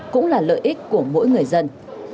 cũng là lợi ích của mỗi người dân